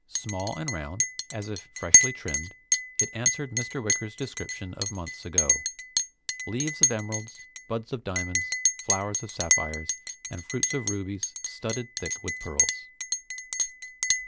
Small and round, as if freshly trimmed, it answered Mr. Wicker's description of months ago. "Leaves of emeralds, buds of diamonds, flowers of sapphires, and fruits of rubies studded thick with pearls."